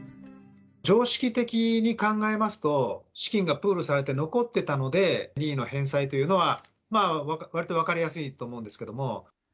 常識的に考えますと、資金がプールされて残っていたので、任意の返済というのは、わりと分かりやすいと思うんですけれども。